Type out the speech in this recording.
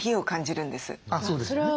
そうですね。